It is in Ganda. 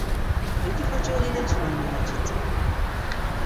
Ekifo ky'olina kifaanana kitya?